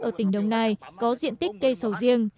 ở tỉnh đồng nai có diện tích cây sầu riêng